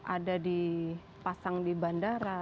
ada dipasang di bandara